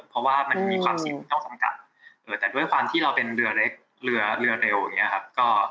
เพราะว่ามันมีความสิ่งที่ต้องสำกัดแต่ด้วยความที่เราเป็นเรือเร็วอย่างนี้ครับ